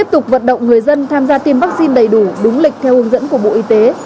tổng người dân tham gia tiêm vaccine đầy đủ đúng lịch theo hướng dẫn của bộ y tế